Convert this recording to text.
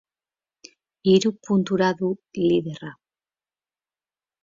Hiru puntura du liderra.